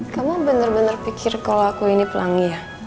kamu bener bener pikir kalo aku ini pelangi ya